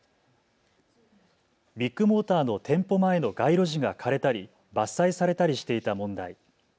ビッグモーターの店舗前の街路樹が枯れたり伐採されたりしていた問題。